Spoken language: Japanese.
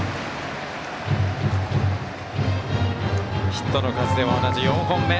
ヒットの数では４本目。